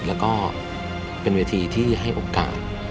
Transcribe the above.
แล้วก็เป็นเวทีที่ให้โอกาส